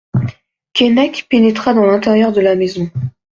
Keinec pénétra dans l'intérieur de la maison.